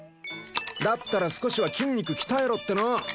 だったら少しは筋肉鍛えろっての。